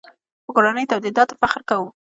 په کورنیو تولیداتو فخر کوو.